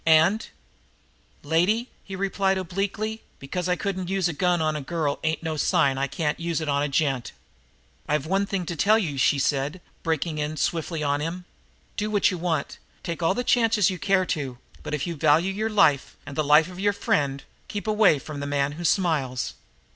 "And " "Lady," he replied obliquely, "because I couldn't use a gun on a girl ain't no sign that I can't use it on a gent!" "I've one thing to tell you," she said, breaking in swiftly on him. "Do what you want take all the chances you care to but, if you value your life and the life of your friend, keep away from the man who smiles."